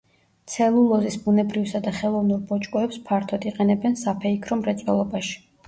ცელულოზის ბუნებრივსა და ხელოვნურ ბოჭკოებს ფართოდ იყენებენ საფეიქრო მრეწველობაში.